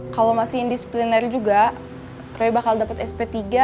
kalau masih indisipliner juga roy bakal dapat sp tiga